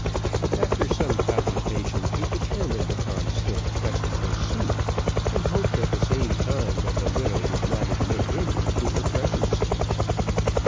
After some cogitation he determined upon still pressing his suit, and hoped at the same time that the widow would not admit him into her presence.